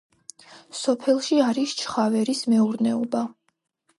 სოფელში არის ჩხავერის მეურნეობა.